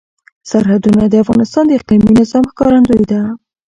سرحدونه د افغانستان د اقلیمي نظام ښکارندوی ده.